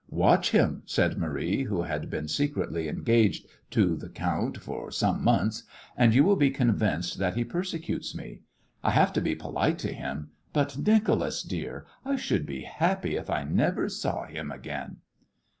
"Watch him," said Marie, who had been secretly engaged to the count for some months, "and you will be convinced that he persecutes me. I have to be polite to him, but, Nicholas, dear, I should be happy if I never saw him again."